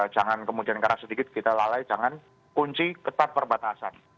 jangan kemudian karena sedikit kita lalai jangan kunci ketat perbatasan